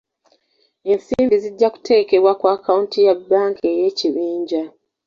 Ensimbi zijja kuteekebwa ku akawanti ya banka ey'ekibinja.